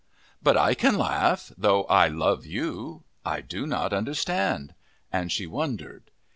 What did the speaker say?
"But I can laugh, though I love you. I do not understand." And she wondered.